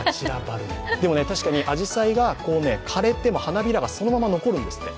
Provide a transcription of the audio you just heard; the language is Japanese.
確かにあじさいが枯れても花びらがそのまま残るんですって。